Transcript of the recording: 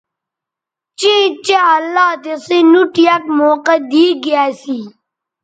چیں چہء اللہ تسئ نوٹ یک موقعہ دی گی اسی